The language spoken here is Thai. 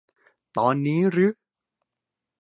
ตอนนี้รึ